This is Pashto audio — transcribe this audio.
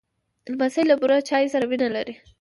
لمسی له بوره چای سره مینه لري.